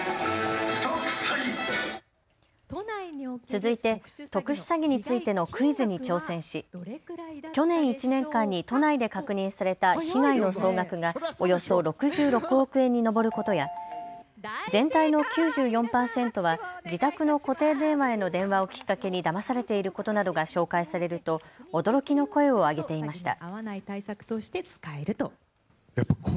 続いて特殊詐欺についてのクイズに挑戦し去年１年間に都内で確認された被害の総額がおよそ６６億円に上ることや全体の９４％は自宅の固定電話への電話をきっかけにだまされていることなどが紹介されると驚きの声を上げていました。